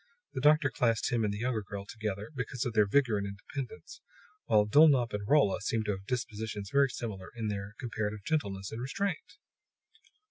The doctor classed him and the younger girl together because of their vigor and independence, while Dulnop and Rolla seemed to have dispositions very similar in their comparative gentleness and restraint.